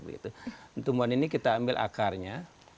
untuk tumbuhan ini kita ambil akarnya